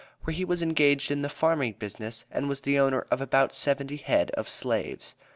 where he was engaged in the farming business, and was the owner of about seventy head of slaves.